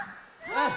うん。